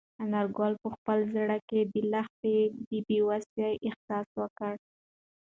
انارګل په خپل زړه کې د لښتې د بې وسۍ احساس وکړ.